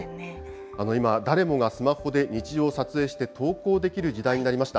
今、誰もがスマホで日常を撮影して投稿できる時代になりました。